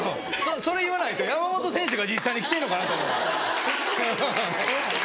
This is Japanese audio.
それ言わないと山本選手が実際に来てるのかな？と思うから。